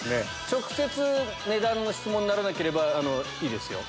直接値段の質問にならなければいいですよ。